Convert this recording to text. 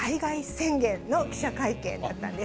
宣言の記者会見だったんです。